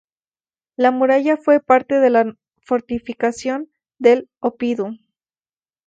La muralla fue parte de la fortificación del oppidum.